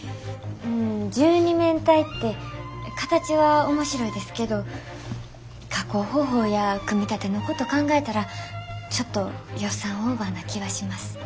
十二面体って形は面白いですけど加工方法や組み立てのこと考えたらちょっと予算オーバーな気はします。